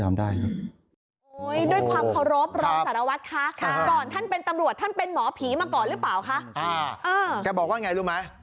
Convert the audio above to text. ฮะแกบอกว่าอย่างไงรู้ไหม